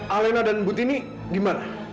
alena dan butini gimana